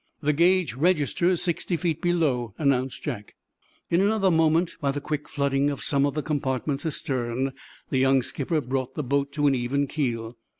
"The gauge registers sixty feet below," announced Jack. In another moment, by the quick flooding of some of the compartments astern, the young skipper brought the boat to an even keel.